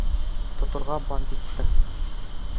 Тоторға бандитты!